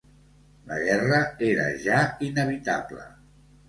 La guerra era ja inevitable.